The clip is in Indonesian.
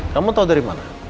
kamu tau dari mana